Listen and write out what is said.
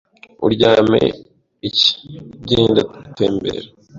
Uryamye iki? Genda gutembera.